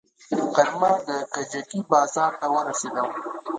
غرمه د کجکي بازار ته ورسېدم.